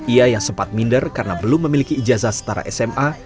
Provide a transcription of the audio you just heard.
ia yang sempat minder karena belum memiliki ijazah setara sma